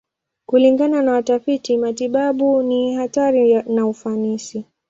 Kulingana na watafiti matibabu, ni hatari na ufanisi.